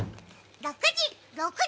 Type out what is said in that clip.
６時、６時！